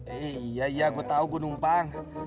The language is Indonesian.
iya iya gua tau gua numpang